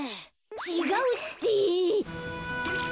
ちがうって！